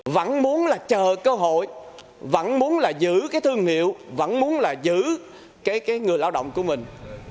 vẫn muốn là chờ cơ hội vẫn muốn là giữ cái thương hiệu vẫn muốn là giữ cái người lao động của mình